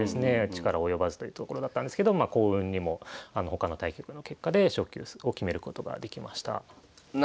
力及ばずというところだったんですけど幸運にも他の対局の結果で昇級を決めることができました。